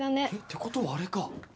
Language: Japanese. えっ？ってことはあれか。